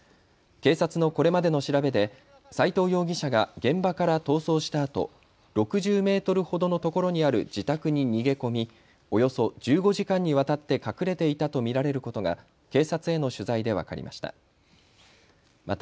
警察のこれまでの調べで斎藤容疑者が現場から逃走したあと６０メートルほどのところにある自宅に逃げ込みおよそ１５時間にわたって隠れていたと見られることが警察への取材で分かりました。